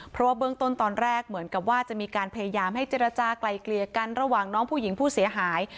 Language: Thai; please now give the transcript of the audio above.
เพราะว่าเบื้องต้นตอนแรกเหมือนกับว่าจะมีการพยายามให้เจรจากลายเกลี่ยกันระหว่างน้องผู้หญิงผู้เสียหาย